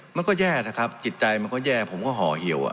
มันก็แย่นะครับจิตใจมันก็แย่ผมก็ห่อเหี่ยว